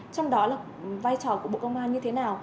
trong đó là vai trò của bộ công an như thế nào